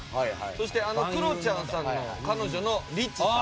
そしてあのクロちゃんさんの彼女のリチさん。